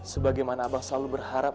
sebagaimana abang selalu berharap